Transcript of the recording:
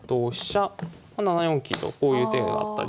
７四金とこういう手があったり。